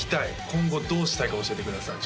今後どうしたいか教えてください